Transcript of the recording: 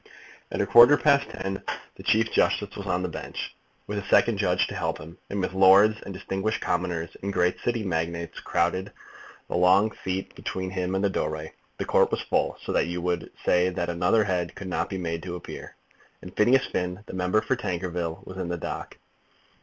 At a quarter past ten the Chief Justice was on the bench, with a second judge to help him, and with lords and distinguished commoners and great City magnates crowding the long seat between him and the doorway; the Court was full, so that you would say that another head could not be made to appear; and Phineas Finn, the member for Tankerville, was in the dock.